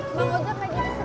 bang hoja gak jadi seringku